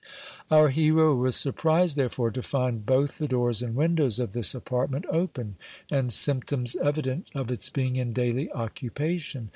Our hero was surprised, therefore, to find both the doors and windows of this apartment open, and symptoms evident of its being in daily occupation.